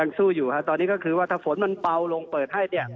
สู้อยู่ฮะตอนนี้ก็คือว่าถ้าฝนมันเบาลงเปิดให้เนี่ย